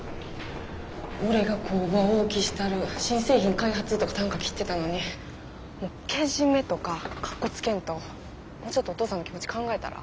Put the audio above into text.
「俺が工場大きしたる新製品開発」とかたんか切ってたのにけじめとかかっこつけんともうちょっとお父さんの気持ち考えたら？